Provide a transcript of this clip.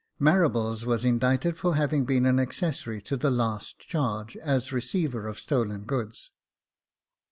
Marables was indicted for having been an accessory to the last charge, as receiver of stolen goods.